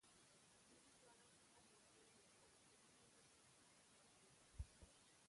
دېری ځوانان سهار لمنځونه نه کوي تر نیمې ورځې مخ ناولي ګرځي.